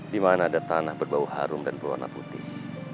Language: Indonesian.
di mana ada tanah berbau harum dan berwarna putih